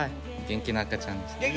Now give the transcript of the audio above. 元気な赤ちゃん。